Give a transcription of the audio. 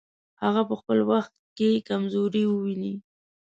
هغه په خپل وخت کې کمزوري وویني.